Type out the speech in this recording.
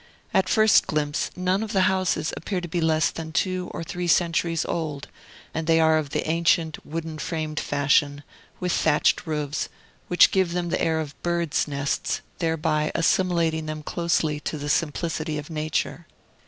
At first glimpse, none of the houses appear to be less than two or three centuries old, and they are of the ancient, wooden framed fashion, with thatched roofs, which give them the air of birds' nests, thereby assimilating them closely to the simplicity of nature.